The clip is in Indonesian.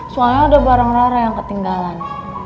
soalnya ada barang rara yang ketinggalan